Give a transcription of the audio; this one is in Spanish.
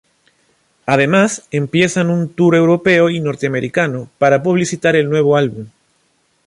Además empiezan un tour europeo y norteamericano para publicitar el nuevo álbum.